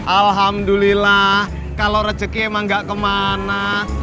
alhamdulillah kalo rezekinya emang gak kemana